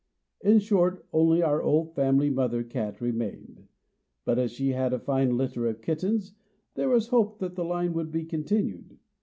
In short, only our old family mother cat remained; but, as she had a fine litter of kittens, there was hope that the line would be continued.